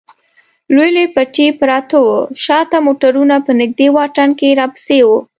لوی لوی پټي پراته و، شا ته موټرونه په نږدې واټن کې راپسې و.